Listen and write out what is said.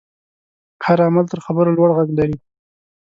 هر عمل تر خبرو لوړ غږ لري.